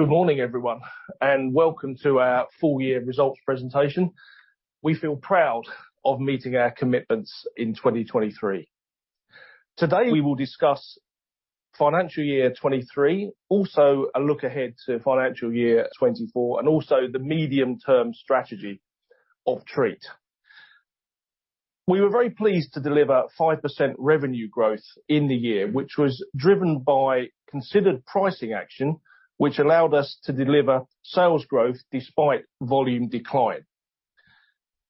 Good morning, everyone, and welcome to our full year results presentation. We feel proud of meeting our commitments in 2023. Today, we will discuss financial year 2023, also a look ahead to financial year 2024, and also the medium-term strategy of Treatt. We were very pleased to deliver 5% revenue growth in the year, which was driven by considered pricing action, which allowed us to deliver sales growth despite volume decline.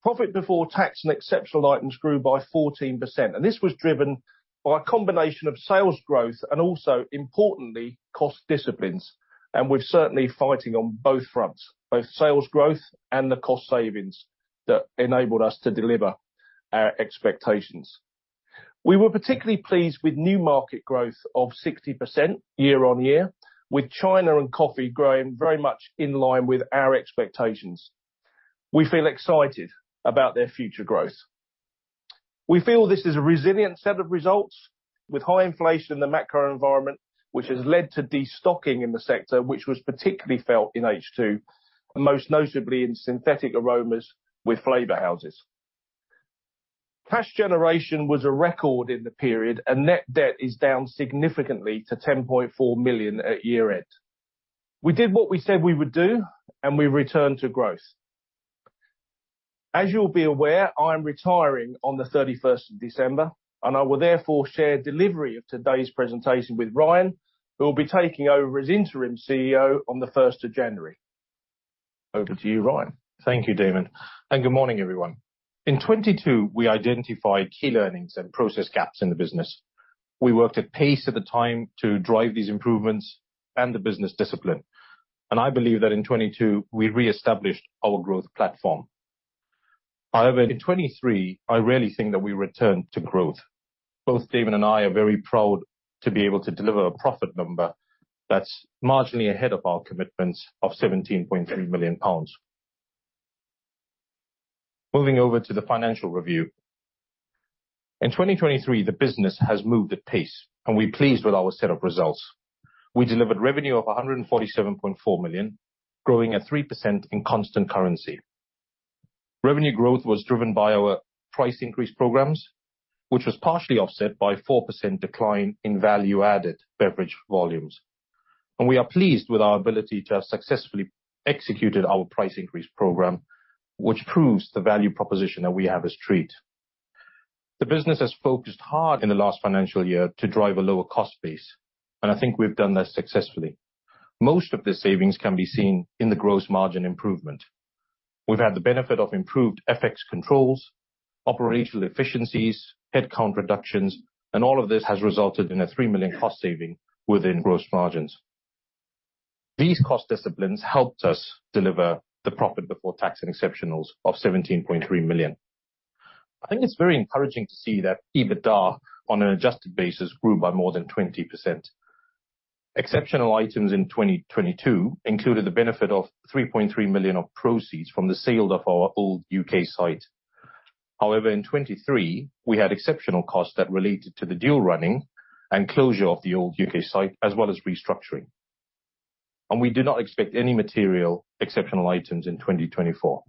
Profit before tax and exceptional items grew by 14%, and this was driven by a combination of sales growth and also importantly, cost disciplines. And we're certainly fighting on both fronts, both sales growth and the cost savings, that enabled us to deliver our expectations. We were particularly pleased with new market growth of 60% year-on-year, with China and coffee growing very much in line with our expectations. We feel excited about their future growth. We feel this is a resilient set of results with high inflation in the macro environment, which has led to destocking in the sector, which was particularly felt in H2, and most notably in synthetic aromas with flavor houses. Cash generation was a record in the period, and net debt is down significantly to 10.4 million at year-end. We did what we said we would do, and we returned to growth. As you'll be aware, I'm retiring on the thirty-first of December, and I will therefore share delivery of today's presentation with Ryan, who will be taking over as Interim CEO on the first of January. Over to you, Ryan. Thank you, Daemmon, and good morning, everyone. In 2022, we identified key learnings and process gaps in the business. We worked at pace at the time to drive these improvements and the business discipline, and I believe that in 2022, we reestablished our growth platform. However, in 2023, I really think that we returned to growth. Both Daemmon and I are very proud to be able to deliver a profit number that's marginally ahead of our commitments of 17.3 million pounds. Moving over to the financial review. In 2023, the business has moved at pace, and we're pleased with our set of results. We delivered revenue of 147.4 million, growing at 3% in constant currency. Revenue growth was driven by our price increase programs, which was partially offset by 4% decline in value-added beverage volumes. We are pleased with our ability to have successfully executed our price increase program, which proves the value proposition that we have as Treatt. The business has focused hard in the last financial year to drive a lower cost base, and I think we've done that successfully. Most of the savings can be seen in the gross margin improvement. We've had the benefit of improved FX controls, operational efficiencies, headcount reductions, and all of this has resulted in a 3 million cost saving within gross margins. These cost disciplines helped us deliver the profit before tax and exceptionals of 17.3 million. I think it's very encouraging to see that EBITDA, on an adjusted basis, grew by more than 20%. Exceptional items in 2022 included the benefit of 3.3 million of proceeds from the sale of our old U.K. site. However, in 2023, we had exceptional costs that related to the dual running and closure of the old U.K. site, as well as restructuring. We do not expect any material exceptional items in 2024.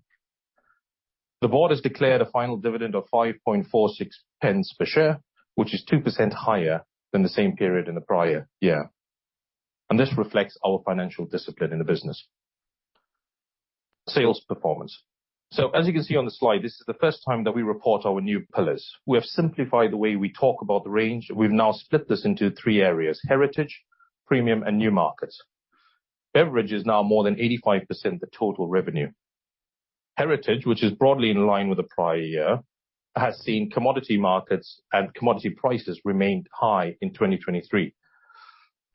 The board has declared a final dividend of 0.0546 per share, which is 2% higher than the same period in the prior year, and this reflects our financial discipline in the business. Sales performance. As you can see on the slide, this is the first time that we report our new pillars. We have simplified the way we talk about the range. We've now split this into three areas: heritage, premium, and new markets. Beverage is now more than 85% the total revenue. Heritage, which is broadly in line with the prior year, has seen commodity markets and commodity prices remained high in 2023,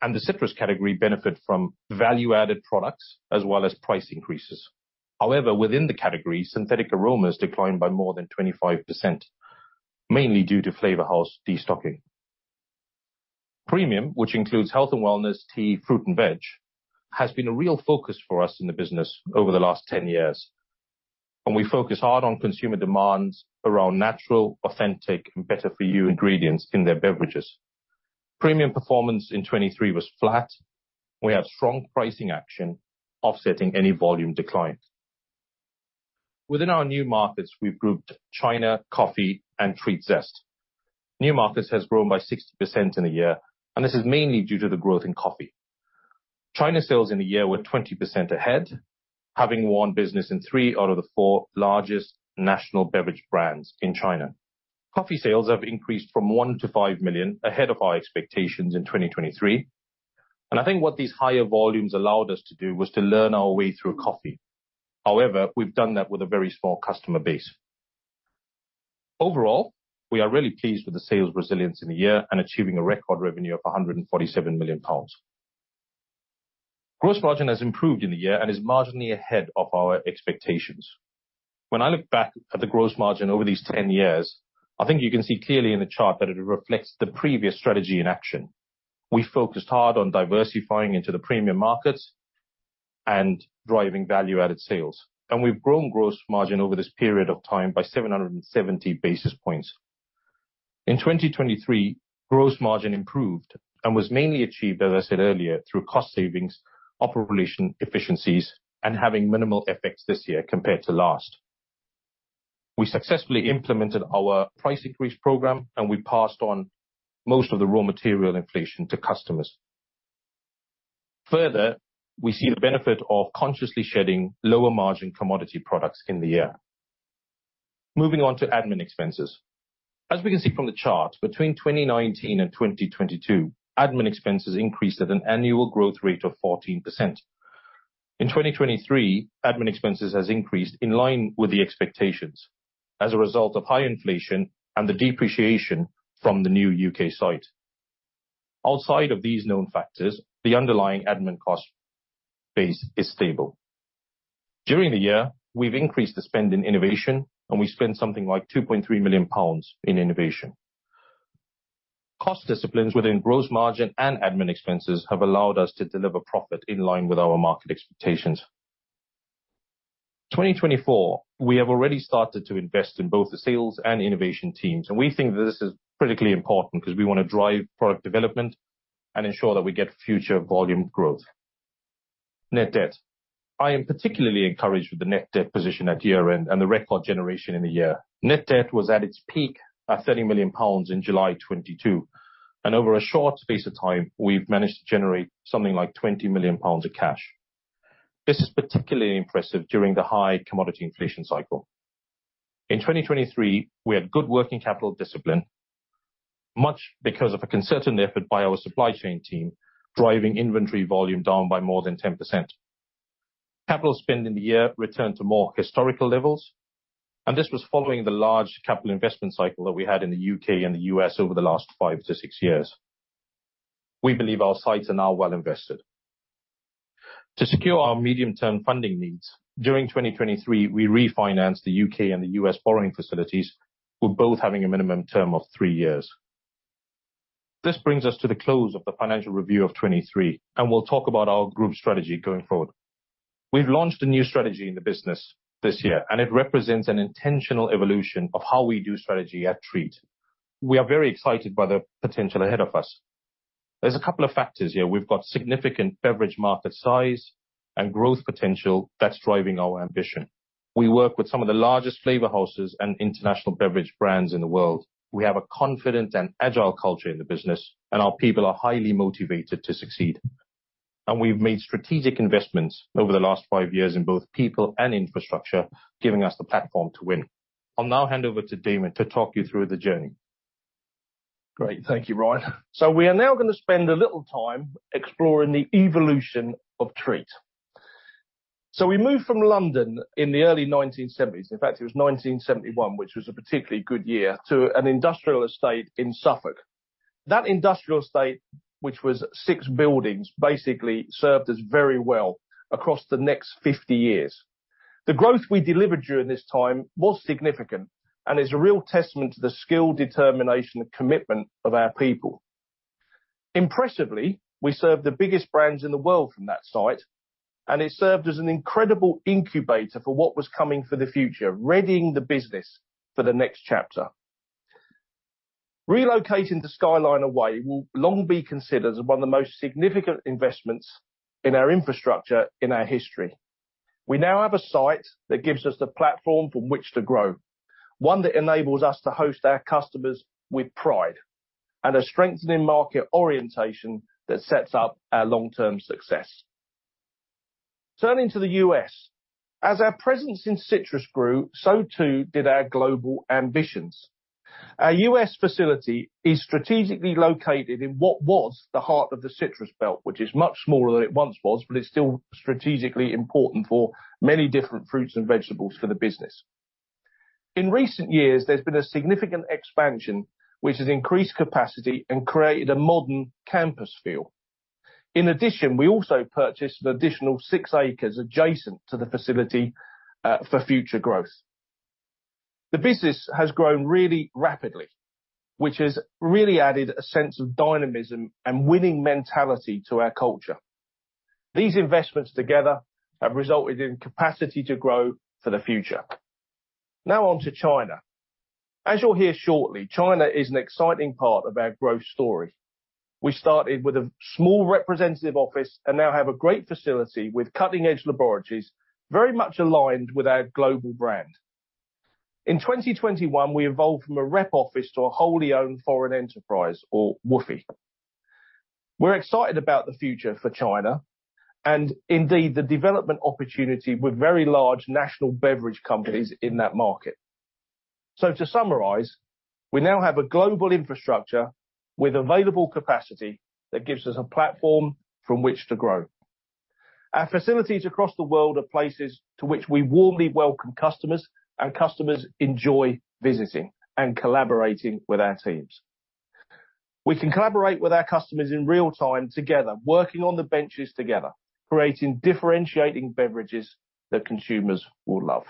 and the citrus category benefit from value-added products as well as price increases. However, within the category, synthetic aromas declined by more than 25%, mainly due to flavor house destocking. Premium, which includes health and wellness, tea, fruit, and veg, has been a real focus for us in the business over the last 10 years, and we focus hard on consumer demands around natural, authentic, and better-for-you ingredients in their beverages. Premium performance in 2023 was flat. We had strong pricing action, offsetting any volume decline. Within our new markets, we've grouped China, coffee, and TreattZest. New markets has grown by 60% in a year, and this is mainly due to the growth in coffee. China sales in the year were 20% ahead, having won business in three out of the four largest national beverage brands in China. Coffee sales have increased from 1 million to 5 million, ahead of our expectations in 2023, and I think what these higher volumes allowed us to do was to learn our way through coffee. However, we've done that with a very small customer base. Overall, we are really pleased with the sales resilience in the year and achieving a record revenue of 147 million pounds. Gross margin has improved in the year and is marginally ahead of our expectations. When I look back at the gross margin over these 10 years, I think you can see clearly in the chart that it reflects the previous strategy in action. We focused hard on diversifying into the premium markets and driving value-added sales, and we've grown gross margin over this period of time by 770 basis points. In 2023, gross margin improved and was mainly achieved, as I said earlier, through cost savings, operation efficiencies, and having minimal FX this year compared to last. We successfully implemented our price increase program, and we passed on most of the raw material inflation to customers. Further, we see the benefit of consciously shedding lower margin commodity products in the year. Moving on to admin expenses. As we can see from the chart, between 2019 and 2022, admin expenses increased at an annual growth rate of 14%. In 2023, admin expenses has increased in line with the expectations as a result of high inflation and the depreciation from the new U.K. site. Outside of these known factors, the underlying admin cost base is stable. During the year, we've increased the spend in innovation, and we spent something like 2.3 million pounds in innovation. Cost disciplines within gross margin and admin expenses have allowed us to deliver profit in line with our market expectations. 2024, we have already started to invest in both the sales and innovation teams, and we think that this is critically important because we wanna drive product development and ensure that we get future volume growth. Net debt. I am particularly encouraged with the net debt position at year-end and the record generation in the year. Net debt was at its peak at 30 million pounds in July 2022, and over a short space of time, we've managed to generate something like 20 million pounds of cash. This is particularly impressive during the high commodity inflation cycle. In 2023, we had good working capital discipline, much because of a concerted effort by our supply chain team, driving inventory volume down by more than 10%. Capital spend in the year returned to more historical levels, and this was following the large capital investment cycle that we had in the U.K. and the U.S. over the last five to six years. We believe our sites are now well invested. To secure our medium-term funding needs, during 2023, we refinanced the U.K. and the U.S. borrowing facilities, with both having a minimum term of three years. This brings us to the close of the financial review of 2023, and we'll talk about our group strategy going forward. We've launched a new strategy in the business this year, and it represents an intentional evolution of how we do strategy at Treatt. We are very excited by the potential ahead of us. There's a couple of factors here. We've got significant beverage market size and growth potential that's driving our ambition. We work with some of the largest flavor houses and international beverage brands in the world. We have a confident and agile culture in the business, and our people are highly motivated to succeed. We've made strategic investments over the last five years in both people and infrastructure, giving us the platform to win. I'll now hand over to Daemmon to talk you through the journey. Great. Thank you, Ryan. So we are now gonna spend a little time exploring the evolution of Treatt. So we moved from London in the early 1970s, in fact, it was 1971, which was a particularly good year, to an industrial estate in Suffolk. That industrial estate, which was six buildings, basically served us very well across the next 50 years. The growth we delivered during this time was significant and is a real testament to the skill, determination, and commitment of our people. Impressively, we served the biggest brands in the world from that site, and it served as an incredible incubator for what was coming for the future, readying the business for the next chapter. Relocating to Skyliner Way will long be considered as one of the most significant investments in our infrastructure in our history. We now have a site that gives us the platform from which to grow, one that enables us to host our customers with pride and a strengthening market orientation that sets up our long-term success. Turning to the U.S., as our presence in citrus grew, so too did our global ambitions. Our U.S. facility is strategically located in what was the heart of the Citrus Belt, which is much smaller than it once was, but it's still strategically important for many different fruits and vegetables for the business. In recent years, there's been a significant expansion, which has increased capacity and created a modern campus feel. In addition, we also purchased an additional six acres adjacent to the facility for future growth. The business has grown really rapidly, which has really added a sense of dynamism and winning mentality to our culture. These investments together have resulted in capacity to grow for the future. Now on to China. As you'll hear shortly, China is an exciting part of our growth story. We started with a small representative office and now have a great facility with cutting-edge laboratories, very much aligned with our global brand. In 2021, we evolved from a rep office to a wholly owned foreign enterprise, or WOFE. We're excited about the future for China and indeed, the development opportunity with very large national beverage companies in that market. So to summarize, we now have a global infrastructure with available capacity that gives us a platform from which to grow. Our facilities across the world are places to which we warmly welcome customers, and customers enjoy visiting and collaborating with our teams. We can collaborate with our customers in real time together, working on the benches together, creating differentiating beverages that consumers will love.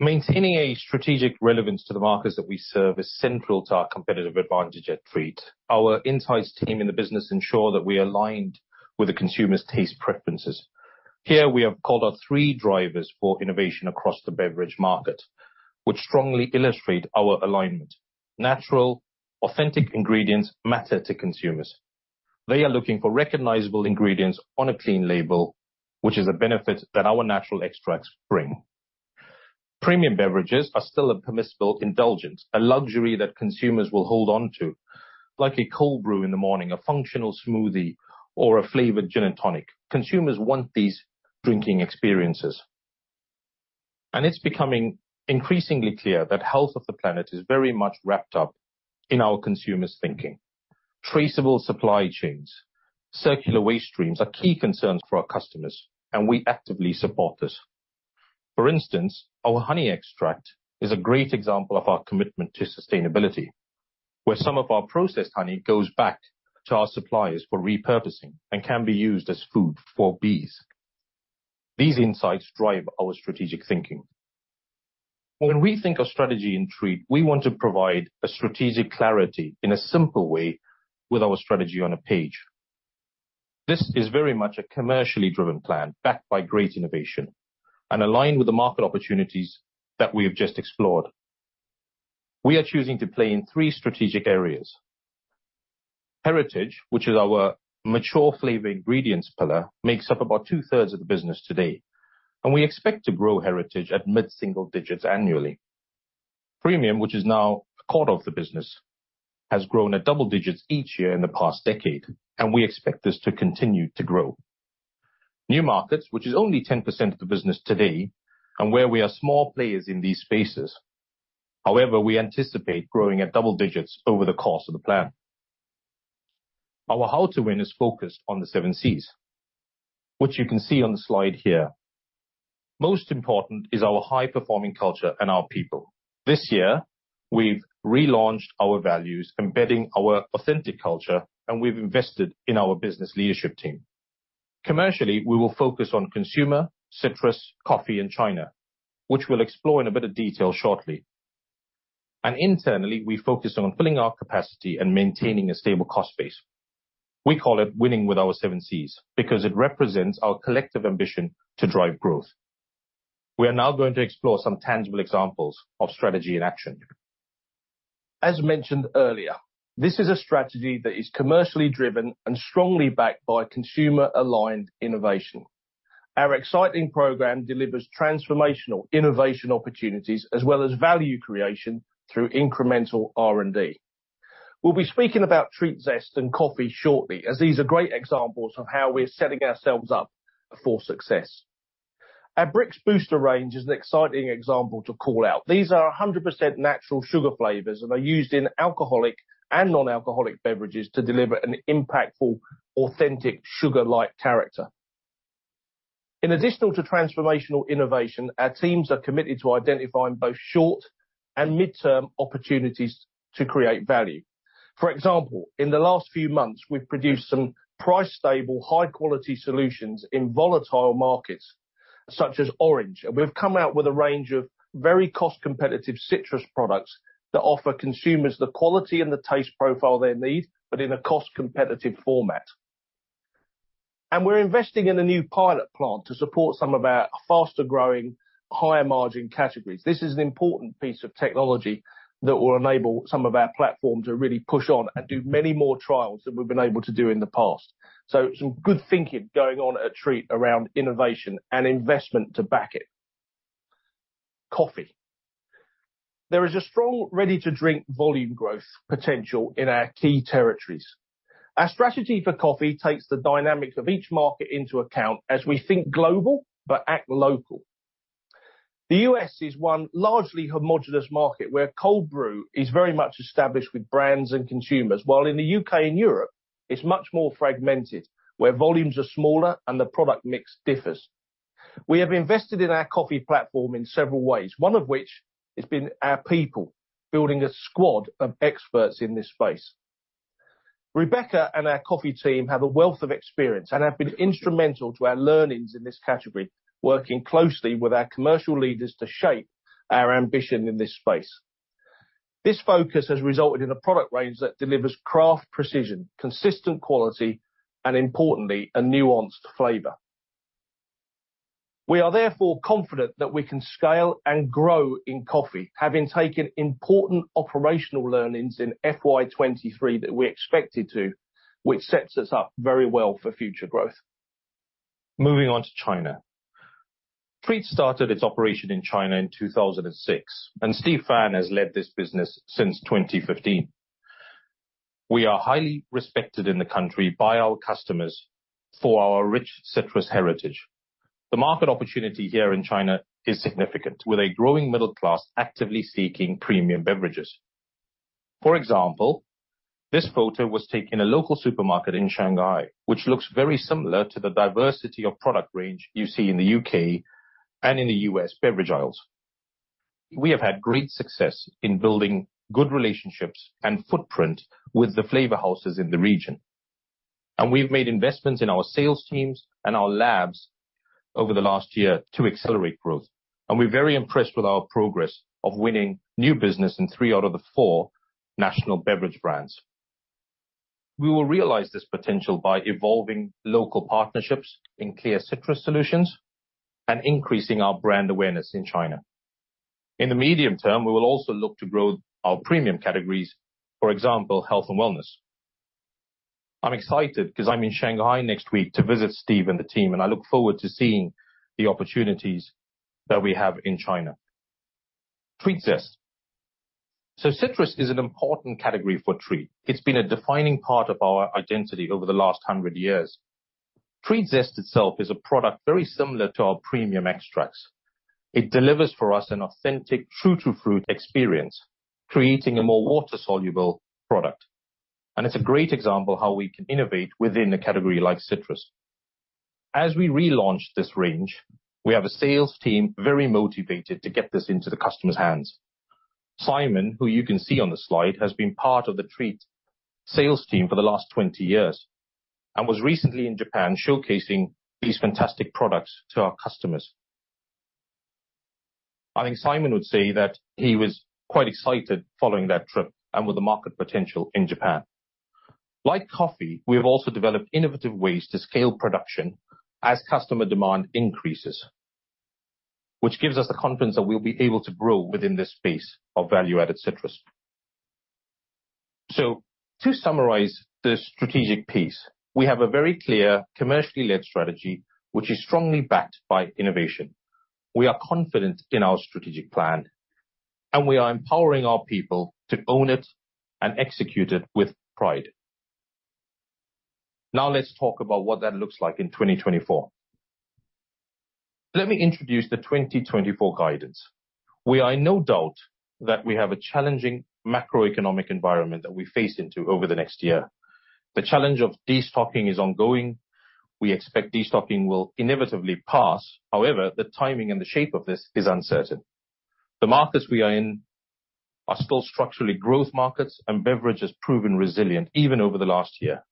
Maintaining a strategic relevance to the markets that we serve is central to our competitive advantage at Treatt. Our insights team in the business ensure that we are aligned with the consumer's taste preferences. Here, we have called our three drivers for innovation across the beverage market, which strongly illustrate our alignment. Natural, authentic ingredients matter to consumers.... They are looking for recognizable ingredients on a clean label, which is a benefit that our natural extracts bring. Premium beverages are still a permissible indulgence, a luxury that consumers will hold on to, like a cold brew in the morning, a functional smoothie, or a flavored gin and tonic. Consumers want these drinking experiences, and it's becoming increasingly clear that health of the planet is very much wrapped up in our consumers' thinking. Traceable supply chains, circular waste streams are key concerns for our customers, and we actively support this. For instance, our honey extract is a great example of our commitment to sustainability, where some of our processed honey goes back to our suppliers for repurposing and can be used as food for bees. These insights drive our strategic thinking. When we think of strategy in Treatt, we want to provide a strategic clarity in a simple way with our strategy on a page. This is very much a commercially driven plan, backed by great innovation and aligned with the market opportunities that we have just explored. We are choosing to play in three strategic areas. Heritage, which is our mature flavor ingredients pillar, makes up about 2/3 of the business today, and we expect to grow heritage at mid-single digits annually. Premium, which is now a quarter of the business, has grown at double digits each year in the past decade, and we expect this to continue to grow. New markets, which is only 10% of the business today, and where we are small players in these spaces. However, we anticipate growing at double digits over the course of the plan. Our how to win is focused on the Seven Cs, which you can see on the slide here. Most important is our high-performing culture and our people. This year, we've relaunched our values, embedding our authentic culture, and we've invested in our business leadership team. Commercially, we will focus on consumer, citrus, coffee, and China, which we'll explore in a bit of detail shortly. Internally, we focus on filling our capacity and maintaining a stable cost base. We call it winning with our Seven Cs because it represents our collective ambition to drive growth. We are now going to explore some tangible examples of strategy in action. As mentioned earlier, this is a strategy that is commercially driven and strongly backed by consumer-aligned innovation. Our exciting program delivers transformational innovation opportunities as well as value creation through incremental R&D. We'll be speaking about TreattZest and coffee shortly, as these are great examples of how we're setting ourselves up for success. Our Brix Booster range is an exciting example to call out. These are 100% natural sugar flavors, and are used in alcoholic and non-alcoholic beverages to deliver an impactful, authentic, sugar-like character. In addition to transformational innovation, our teams are committed to identifying both short and midterm opportunities to create value. For example, in the last few months, we've produced some price-stable, high-quality solutions in volatile markets such as orange. We've come out with a range of very cost-competitive citrus products that offer consumers the quality and the taste profile they need, but in a cost-competitive format. We're investing in a new pilot plant to support some of our faster-growing, higher-margin categories. This is an important piece of technology that will enable some of our platforms to really push on and do many more trials than we've been able to do in the past. Some good thinking going on at Treatt around innovation and investment to back it. Coffee. There is a strong ready-to-drink volume growth potential in our key territories. Our strategy for coffee takes the dynamics of each market into account as we think global but act local. The U.S. is one largely homogenous market, where cold brew is very much established with brands and consumers, while in the U.K. and Europe, it's much more fragmented, where volumes are smaller and the product mix differs. We have invested in our coffee platform in several ways, one of which has been our people, building a squad of experts in this space. Rebecca and our coffee team have a wealth of experience and have been instrumental to our learnings in this category, working closely with our commercial leaders to shape our ambition in this space. This focus has resulted in a product range that delivers craft precision, consistent quality, and importantly, a nuanced flavor. We are therefore confident that we can scale and grow in coffee, having taken important operational learnings in FY 2023 that we expected to, which sets us up very well for future growth. Moving on to China. Treatt started its operation in China in 2006, and Steve Fan has led this business since 2015. We are highly respected in the country by our customers for our rich citrus heritage. The market opportunity here in China is significant, with a growing middle class actively seeking premium beverages. For example, this photo was taken in a local supermarket in Shanghai, which looks very similar to the diversity of product range you see in the U.K. and in the U.S. beverage aisles. We have had great success in building good relationships and footprint with the flavor houses in the region, and we've made investments in our sales teams and our labs over the last year to accelerate growth. We're very impressed with our progress of winning new business in three out of the four national beverage brands. We will realize this potential by evolving local partnerships in clear citrus solutions and increasing our brand awareness in China. In the medium term, we will also look to grow our premium categories, for example, health and wellness. I'm excited because I'm in Shanghai next week to visit Steve and the team, and I look forward to seeing the opportunities that we have in China. TreattZest. So citrus is an important category for Treatt. It's been a defining part of our identity over the last 100 years. TreattZest itself is a product very similar to our premium extracts. It delivers for us an authentic, true-to-fruit experience, creating a more water-soluble product. And it's a great example how we can innovate within a category like citrus. As we relaunch this range, we have a sales team very motivated to get this into the customer's hands. Simon, who you can see on the slide, has been part of the Treatt sales team for the last 20 years, and was recently in Japan showcasing these fantastic products to our customers. I think Simon would say that he was quite excited following that trip and with the market potential in Japan. Like coffee, we have also developed innovative ways to scale production as customer demand increases, which gives us the confidence that we'll be able to grow within this space of value-added citrus. So to summarize the strategic piece, we have a very clear, commercially led strategy, which is strongly backed by innovation. We are confident in our strategic plan, and we are empowering our people to own it and execute it with pride. Now, let's talk about what that looks like in 2024. Let me introduce the 2024 guidance. We are in no doubt that we have a challenging macroeconomic environment that we face into over the next year. The challenge of destocking is ongoing. We expect destocking will inevitably pass. However, the timing and the shape of this is uncertain. The markets we are in are still structurally growth markets, and beverage has proven resilient even over the last year,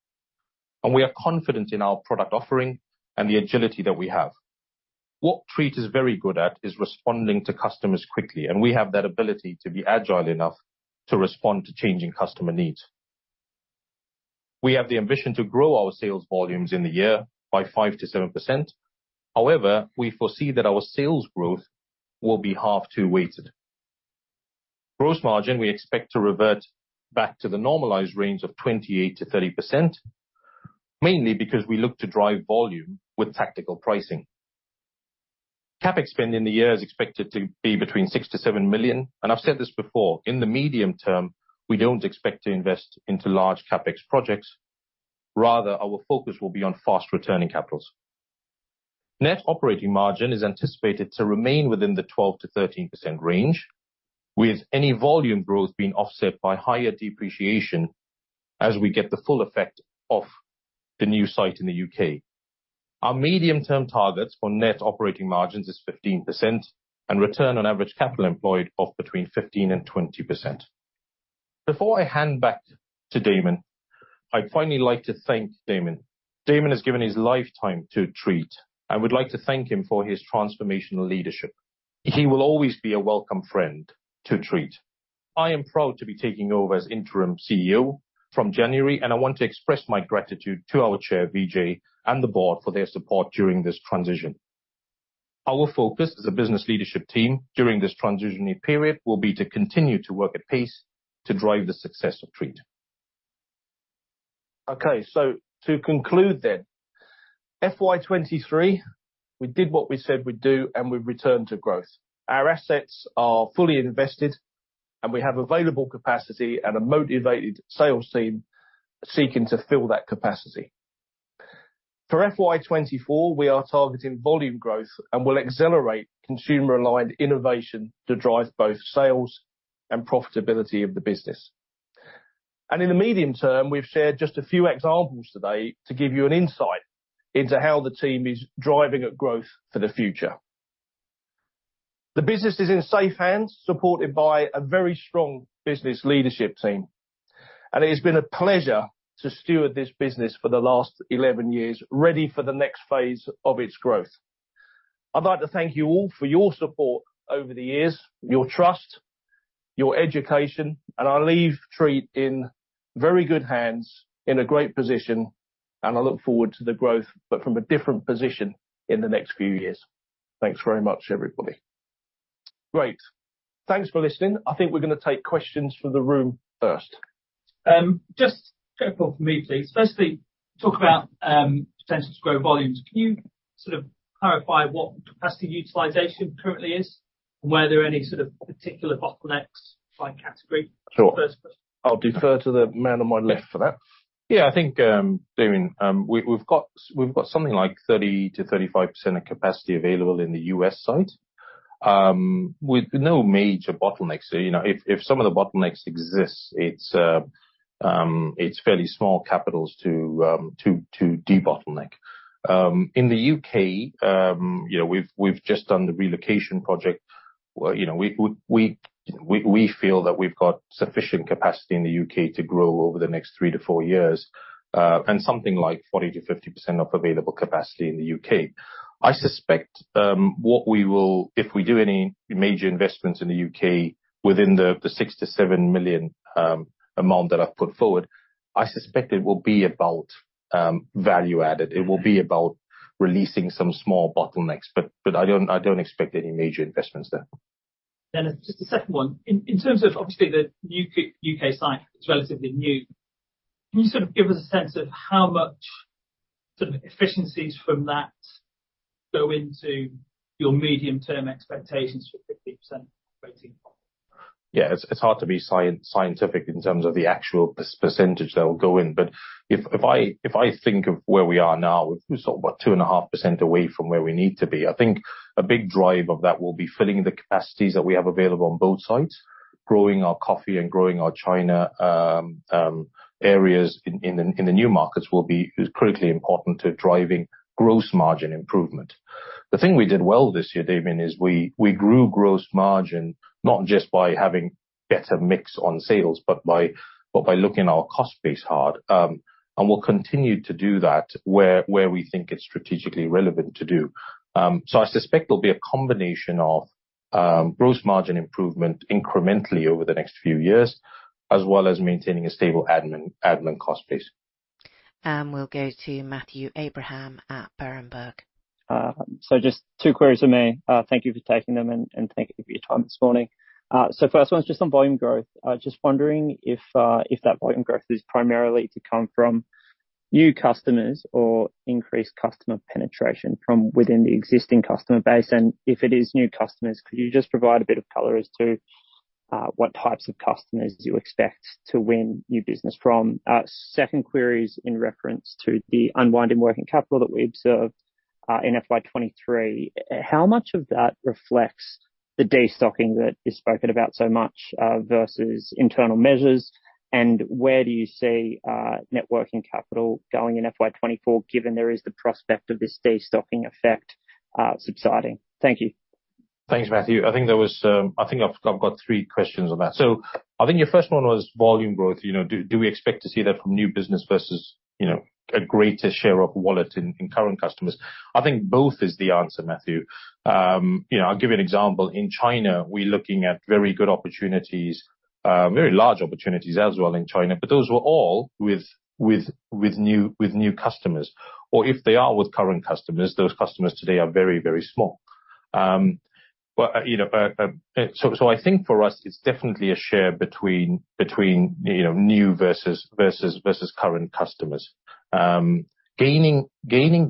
and we are confident in our product offering and the agility that we have. What Treatt is very good at is responding to customers quickly, and we have that ability to be agile enough to respond to changing customer needs. We have the ambition to grow our sales volumes in the year by 5%-7%. However, we foresee that our sales growth will be H2 weighted. Gross margin, we expect to revert back to the normalized range of 28%-30%, mainly because we look to drive volume with tactical pricing. CapEx spend in the year is expected to be between 6 million-7 million, and I've said this before, in the medium term, we don't expect to invest into large CapEx projects. Rather, our focus will be on fast returning capitals. Net operating margin is anticipated to remain within the 12%-13% range, with any volume growth being offset by higher depreciation as we get the full effect of the new site in the U.K. Our medium-term targets for net operating margins is 15% and return on average capital employed of between 15%-20%. Before I hand back to Daemmon, I'd finally like to thank Daemmon. Daemmon has given his lifetime to Treatt, and would like to thank him for his transformational leadership. He will always be a welcome friend to Treatt. I am proud to be taking over as Interim CEO from January, and I want to express my gratitude to our Chair, Vijay, and the board for their support during this transition. Our focus as a business leadership team during this transitionary period will be to continue to work at pace to drive the success of Treatt. Okay, so to conclude then, FY 2023, we did what we said we'd do, and we've returned to growth. Our assets are fully invested, and we have available capacity and a motivated sales team seeking to fill that capacity. For FY 2024, we are targeting volume growth and will accelerate consumer-aligned innovation to drive both sales and profitability of the business. And in the medium term, we've shared just a few examples today to give you an insight into how the team is driving up growth for the future. The business is in safe hands, supported by a very strong business leadership team, and it has been a pleasure to steward this business for the last 11 years, ready for the next phase of its growth. I'd like to thank you all for your support over the years, your trust, your education, and I leave Treatt in very good hands, in a great position, and I look forward to the growth, but from a different position in the next few years. Thanks very much, everybody. Great. Thanks for listening. I think we're gonna take questions from the room first. Just a couple for me, please. Firstly, talk about potential to grow volumes. Can you sort of clarify what capacity utilization currently is, and were there any sort of particular bottlenecks by category? Sure. First- I'll defer to the man on my left for that. Yeah, I think, Daemmon, we've got something like 30%-35% of capacity available in the US site, with no major bottlenecks. So, you know, if some of the bottlenecks exist, it's fairly small capitals to debottleneck. In the U.K., you know, we've just done the relocation project where, you know, we feel that we've got sufficient capacity in the U.K. to grow over the next three to four years, and something like 40%-50% of available capacity in the U.K.. I suspect what we will—if we do any major investments in the U.K. within the 6-7 million amount that I've put forward, I suspect it will be about value added. It will be about releasing some small bottlenecks, but I don't expect any major investments there. Then just a second one. In terms of obviously the new Suffolk U.K. site, it's relatively new. Can you sort of give us a sense of how much sort of efficiencies from that go into your medium-term expectations for 50% rating? Yeah, it's hard to be scientific in terms of the actual percentage that will go in, but if I think of where we are now, we're sort of about 2.5% away from where we need to be. I think a big drive of that will be filling the capacities that we have available on both sites, growing our coffee and growing our China areas in the new markets is critically important to driving gross margin improvement. The thing we did well this year, Daemmon, is we grew gross margin, not just by having better mix on sales, but by looking at our cost base hard. And we'll continue to do that where we think it's strategically relevant to do. I suspect there'll be a combination of gross margin improvement incrementally over the next few years, as well as maintaining a stable admin cost base. We'll go to Matthew Abraham at Berenberg. So just two queries from me. Thank you for taking them, and thank you for your time this morning. So first one is just on volume growth. Just wondering if that volume growth is primarily to come from new customers or increased customer penetration from within the existing customer base, and if it is new customers, could you just provide a bit of color as to what types of customers you expect to win new business from? Second query is in reference to the unwinding working capital that we observed in FY 2023. How much of that reflects the destocking that is spoken about so much versus internal measures, and where do you see net working capital going in FY 2024, given there is the prospect of this destocking effect subsiding? Thank you. Thanks, Matthew. I think there was... I think I've got three questions on that. So I think your first one was volume growth. You know, do we expect to see that from new business versus, you know, a greater share of wallet in current customers? I think both is the answer, Matthew. You know, I'll give you an example. In China, we're looking at very good opportunities, very large opportunities as well in China, but those were all with new customers. Or if they are with current customers, those customers today are very, very small. But, you know, so I think for us, it's definitely a share between new versus current customers. Gaining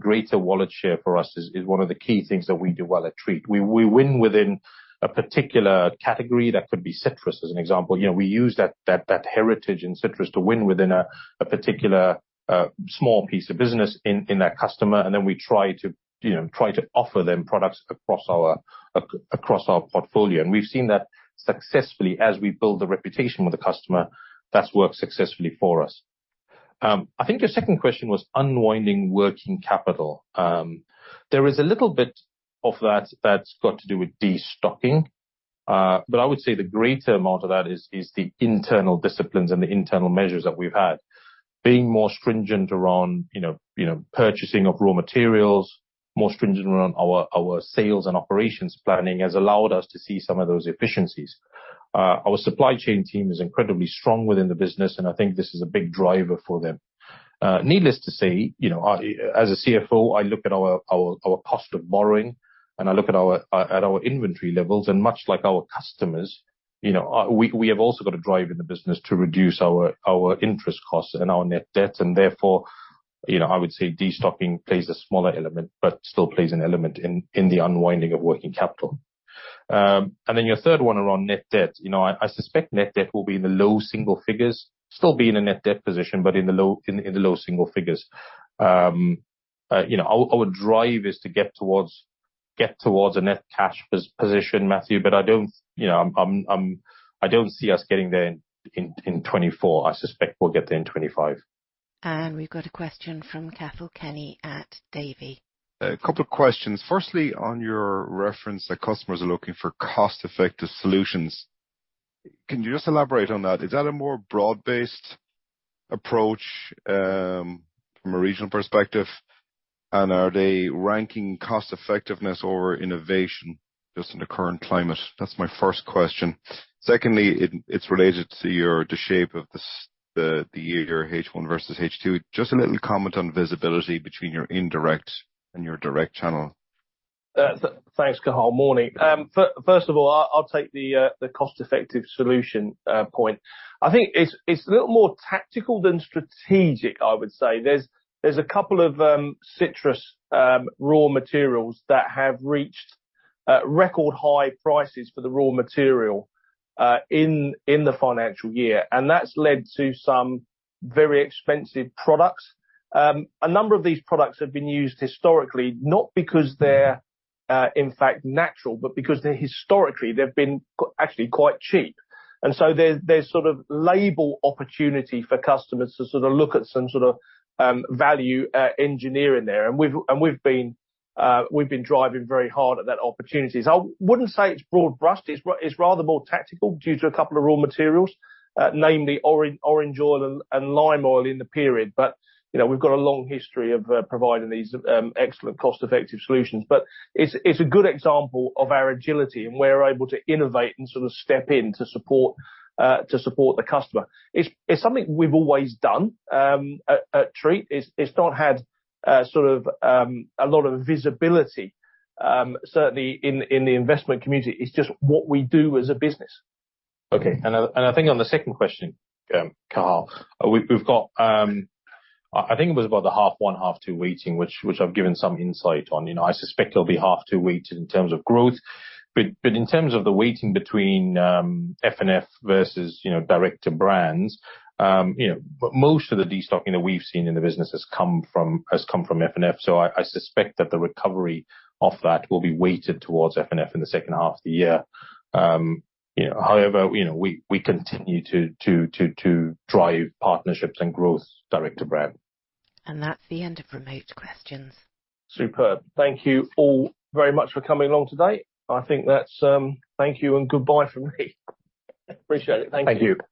greater wallet share for us is one of the key things that we do well at Treatt. We win within a particular category. That could be citrus, as an example. You know, we use that heritage in citrus to win within a particular small piece of business in that customer, and then we try to, you know, offer them products across our portfolio, and we've seen that successfully. As we build the reputation with the customer, that's worked successfully for us. I think your second question was unwinding working capital. There is a little bit of that that's got to do with destocking, but I would say the greater amount of that is the internal disciplines and the internal measures that we've had. Being more stringent around, you know, purchasing of raw materials, more stringent around our sales and operations planning, has allowed us to see some of those efficiencies. Our supply chain team is incredibly strong within the business, and I think this is a big driver for them. Needless to say, you know, I, as a CFO, look at our cost of borrowing, and I look at our inventory levels, and much like our customers, you know, we have also got a drive in the business to reduce our interest costs and our net debt, and therefore, you know, I would say destocking plays a smaller element, but still plays an element in the unwinding of working capital. And then your third one around net debt. You know, I suspect net debt will be in the low single figures. Still be in a net debt position, but in the low single figures. You know, our drive is to get towards a net cash position, Matthew, but I don't, you know, I don't see us getting there in 2024. I suspect we'll get there in 2025. We've got a question from Cathal Kenny at Davy. A couple of questions. Firstly, on your reference that customers are looking for cost-effective solutions, can you just elaborate on that? Is that a more broad-based approach from a regional perspective, and are they ranking cost effectiveness over innovation just in the current climate? That's my first question. Secondly, it's related to the shape of the year, H1 versus H2. Just a little comment on visibility between your indirect and your direct channel. Thanks, Cathal. Morning. First of all, I'll take the cost-effective solution point. I think it's a little more tactical than strategic, I would say. There's a couple of citrus raw materials that have reached record high prices for the raw material in the financial year, and that's led to some very expensive products. A number of these products have been used historically, not because they're in fact natural, but because they're historically they've been actually quite cheap. And so there's sort of label opportunity for customers to sort of look at some sort of value engineering there. And we've been driving very hard at that opportunity. So I wouldn't say it's broad brushed, it's rather more tactical due to a couple of raw materials, namely orange oil and lime oil in the period. But, you know, we've got a long history of providing these excellent, cost-effective solutions. But it's a good example of our agility, and we're able to innovate and sort of step in to support the customer. It's something we've always done at Treatt. It's not had sort of a lot of visibility, certainly in the investment community. It's just what we do as a business. Okay. And I think on the second question, Cathal, we've got, I think it was about the half one, half two weighting, which I've given some insight on. You know, I suspect it'll be half two weighted in terms of growth, but in terms of the weighting between, F&F versus, you know, direct to brands, you know, most of the destocking that we've seen in the business has come from F&F, so I suspect that the recovery of that will be weighted towards F&F in the second half of the year. However, you know, we continue to drive partnerships and growth direct to brand. That's the end of remote questions. Superb. Thank you all very much for coming along today. I think that's thank you and goodbye from me. Appreciate it. Thank you. Thank you.